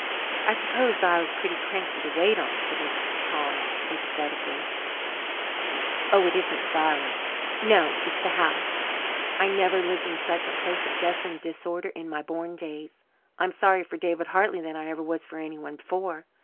"I suppose Zillah is pretty cranky to wait on," said Mrs. Tom sympathetically. "Oh, it isn't Zillah. Mary Bell looks after her. No, it's the house. I never lived in such a place of dust and disorder in my born days. I'm sorrier for David Hartley than I ever was for anyone before."